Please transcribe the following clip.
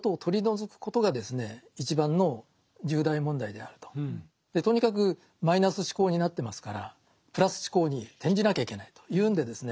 だからとにかくマイナス思考になってますからプラス思考に転じなきゃいけないというんでですね